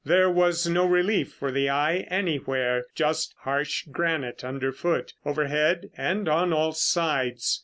There was no relief for the eye anywhere; just harsh granite underfoot, overhead, and on all sides.